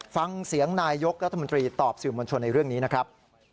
ฟังเสียงนายยกรัฐมนตรีตอบสื่อมวลชนในเรื่องนี้นะครับ